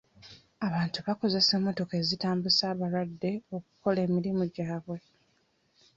Abantu bakozesa emmotoka ezitambuza abalwadde okukola emirimu gyabwe.